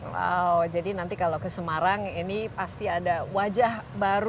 wow jadi nanti kalau ke semarang ini pasti ada wajah baru